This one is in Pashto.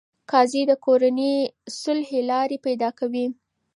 قاضي د کورني صلحې لارې پیدا کوي.